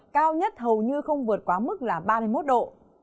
cao nhất hầu như không vượt quá mức là ba mươi một độ